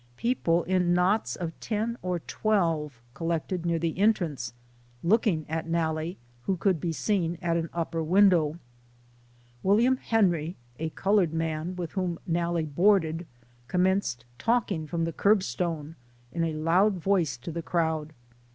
People in knots of ten or tweh LIFE OF HARRIET TUBMAN. 95 collected near the entrance, looking at Nalle, who could be seen at an upper window. William Henry, a colored man, with whom Nalle boarded, commenced talking from the curb stone in a loud voice to the crowd.